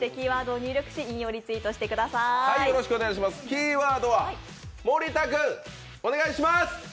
キーワードは森田君、お願いします。